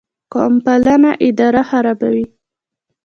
قوم پالنه اداره خرابوي